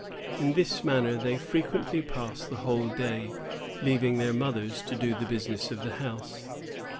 In this manner they frequently pass the whole day, leaving their mothers to do the business of the house.